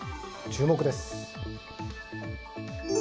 注目です。